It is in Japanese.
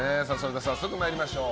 早速参りましょう。